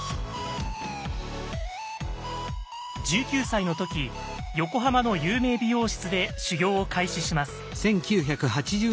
１９歳の時横浜の有名美容室で修業を開始します。